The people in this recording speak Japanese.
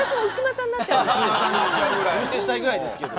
お見せしたいぐらいですけど。